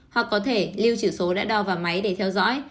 hoặc có thể lưu trữ số đã đo vào máy để theo dõi